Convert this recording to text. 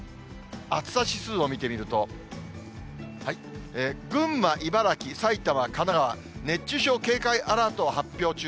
暑さ指数を見てみると、群馬、茨城、埼玉、神奈川、熱中症警戒アラートを発表中。